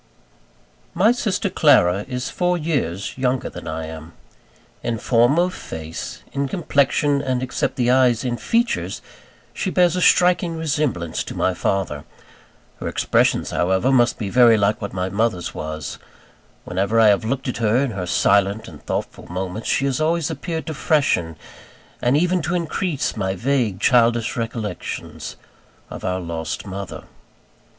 My sister Clara is four years younger than I am. In form of face, in complexion, and except the eyes in features, she bears a striking resemblance to my father. Her expressions however, must be very like what my mother's was. Whenever I have looked at her in her silent and thoughtful moments, she has always appeared to freshen, and even to increase, my vague, childish recollections of our lost mother.